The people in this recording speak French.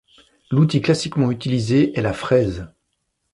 L'outil classiquement utilisé est la fraise.